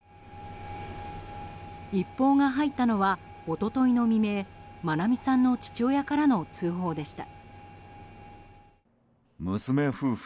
一報が入ったのは一昨日の未明愛美さんの父親からの通報でした。